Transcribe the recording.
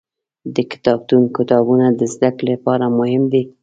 د کتابتون کتابونه د زده کړې لپاره مهم دي.